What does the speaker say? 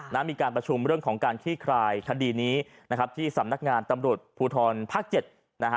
และมีการประชุมเรื่องของการคี่คลายคดีนี้ที่สำนักงานตำรวจภูทรภักดิ์๗